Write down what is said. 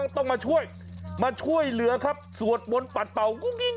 ต้องมาช่วยเหลือครับสวดมนต์ปัดเป่า